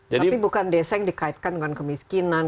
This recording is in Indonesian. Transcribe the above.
jadi itu kan desa yang dikaitkan dengan kemiskinan